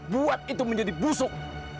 buat itu menjadi busuk